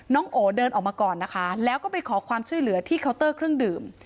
โอเดินออกมาก่อนนะคะแล้วก็ไปขอความช่วยเหลือที่เคาน์เตอร์เครื่องดื่ม